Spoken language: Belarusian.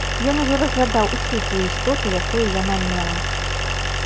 Ён ужо разгадаў усю тую істоту, якую яна мела.